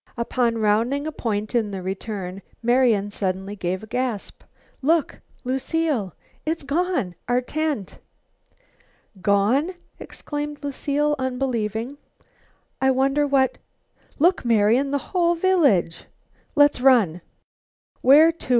Upon rounding a point in returning Marian suddenly gave a gasp. "Look, Lucile! It's gone our tent!" "Gone!" exclaimed Lucile unbelievingly. "I wonder what " "Look, Marian; the whole village!" "Let's run." "Where to?